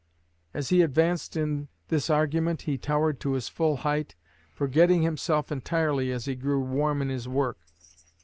As he advanced in this argument he towered to his full height, forgetting himself entirely as he grew warm in his work.